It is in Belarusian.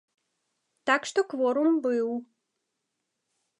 Так што кворум быў.